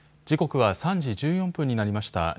時刻は３時１４分になりました。